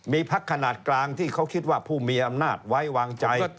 มีพักขนาดกลางที่เขาคิดว่าผู้มีอำนาจไว้วางใจ